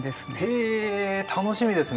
ヘえ楽しみですね。